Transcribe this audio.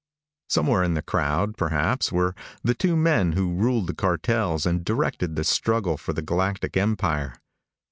Somewhere in the crowd, perhaps, were the two men who ruled the cartels and directed the struggle for the Galactic empire.